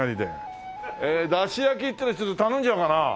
だしやきっていうのを１つ頼んじゃおうかな。